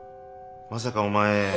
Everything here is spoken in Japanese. まさかお前。